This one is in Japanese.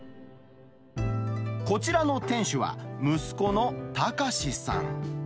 こちらの店主は、息子の学史さん。